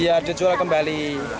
iya dijual kembali